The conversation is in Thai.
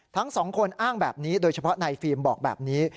ทั้งสองคนอ้างแบบนี้โดยเฉพาะนายฟิล์มบอกแบบนี้